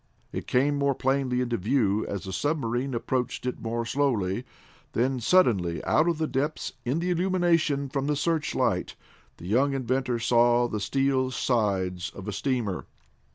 It came more plainly into view as the submarine approached it more slowly, then suddenly, out of the depths in the illumination from the searchlight, the young inventor saw the steel sides of a steamer.